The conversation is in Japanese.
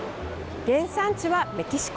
原産地はメキシコ。